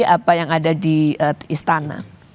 apa yang ada di istana